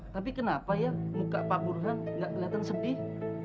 tapi kenapa ya muka pak burhan gak kelihatan sedih